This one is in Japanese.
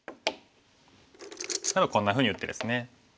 こんなふうに打ってですね。